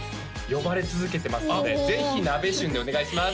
呼ばれ続けてますのでぜひなべしゅんでお願いします